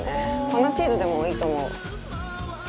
粉チーズでもいいと思う。